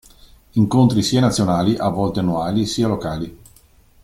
Incontri sia nazionali (a volte annuali) sia locali.